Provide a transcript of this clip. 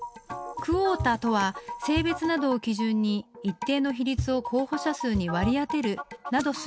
クオータとは性別などを基準に一定の比率を候補者数に割り当てるなどするもの。